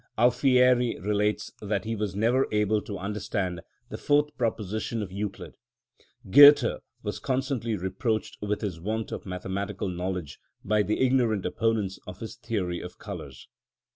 Alfieri relates that he was never able to understand the fourth proposition of Euclid. Goethe was constantly reproached with his want of mathematical knowledge by the ignorant opponents of his theory of colours.